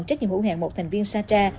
trách nhiệm hữu hàng một thành viên sata